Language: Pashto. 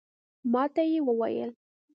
ماته یې وویل